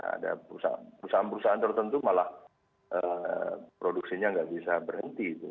ada perusahaan perusahaan tertentu malah produksinya nggak bisa berhenti